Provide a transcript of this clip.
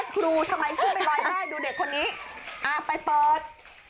ครูทำไมขึ้นไปรอยแก้ดูเด็กคนนี้ไปเปิด